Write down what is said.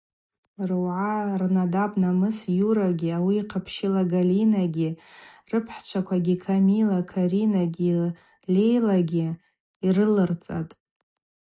Руагӏа ръадаб-намыс Юрагьи ауи йхъапщыла Галинагьи рыпхӏчвагьи – Камилагьи Каринагьи Лейлагьи – йрыларцӏатӏ.